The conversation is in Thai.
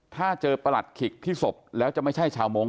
ถ้าเจอประหลัดขิกที่ศพแล้วจะไม่ใช่ชาวมงค